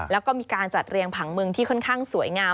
แล้วก็มีการจัดเรียงผังเมืองที่ค่อนข้างสวยงาม